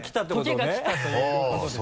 時が来たということです。